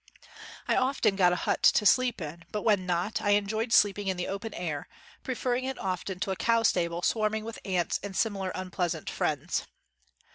I often got a hut to sleep in, but when not, I enjoyed sleeping in the open air, preferring it often to a cow stable swarming with ants and similar un pleasant friends.